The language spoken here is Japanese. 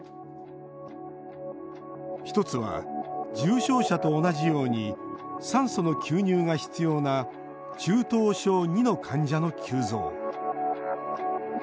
１つは、重症者と同じように酸素の吸入が必要な中等症ＩＩの患者の急増。